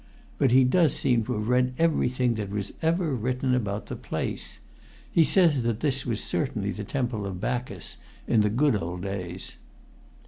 But he does seem to have read everything that was ever written about the place. He says this was certainly the Temple of Bacchus in the good old days."